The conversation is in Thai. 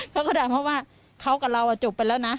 เขาก็ด่าเพราะว่าเขากับเราอ่ะจบไปแล้วนะ